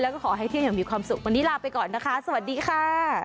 แล้วก็ขอให้เที่ยงอย่างมีความสุขวันนี้ลาไปก่อนนะคะสวัสดีค่ะ